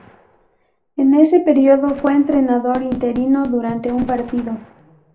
En ese periodo fue entrenador interino durante un partido.